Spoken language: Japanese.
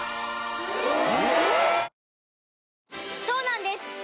そうなんです